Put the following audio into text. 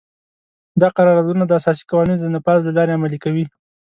دا قراردادونه د اساسي قوانینو د نفاذ له لارې عملي کوي.